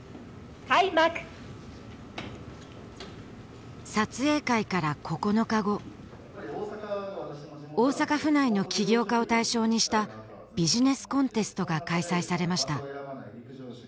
開幕撮影会から９日後大阪府内の起業家を対象にしたビジネスコンテストが開催されました